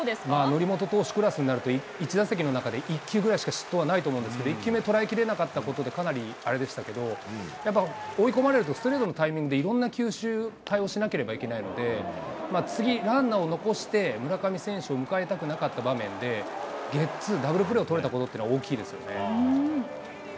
則本投手クラスになると、１打席の中で１球ぐらいしか、失投はないと思うんですけど、１球目、捉えきれなかったことでかなりあれでしたけど、やっぱ追い込まれると、ストレートのタイミングでいろんな球種、対応しなければいけないので、次、ランナーを残して村上選手を迎えたくなかった場面で、ゲッツー、ダブルプレーを取れたことって大きいですよね。